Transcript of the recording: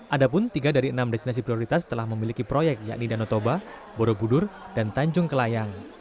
ada pun tiga dari enam destinasi prioritas telah memiliki proyek yakni danau toba borobudur dan tanjung kelayang